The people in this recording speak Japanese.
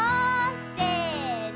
せの。